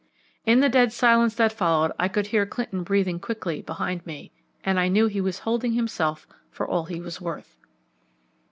In the dead silence that followed I could hear Clinton breathing quickly behind me, and I knew he was holding himself for all he was worth.